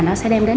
nó sẽ đem đến